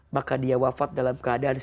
maka dia wafat dalam keadaan sehat